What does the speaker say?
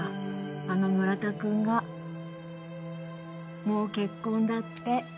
あの村田くんがもう結婚だって。